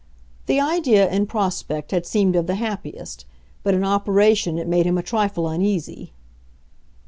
The idea in prospect had seemed of the happiest, but in operation it made him a trifle uneasy.